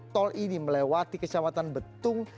tol ini melewati kecamatan betung